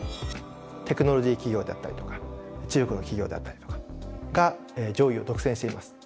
テクノロジー企業であったりとか中国の企業であったりとかが上位を独占しています。